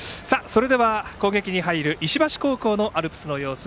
攻撃に入る石橋高校のアルプスの様子